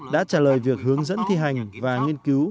đã trả lời việc hướng dẫn thi hành và nghiên cứu